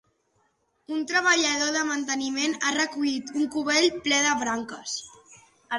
Un treballador de manteniment ha recollit un cubell ple de branques.